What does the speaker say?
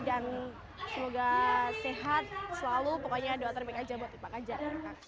dan semoga sehat selalu pokoknya doa terbaik aja buat pak kanjar